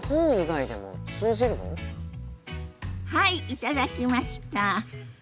はい頂きました！